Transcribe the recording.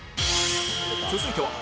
続いては